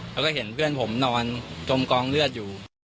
แล้วก็เห็นเพื่อนผมนอนจมกองเลือดอยู่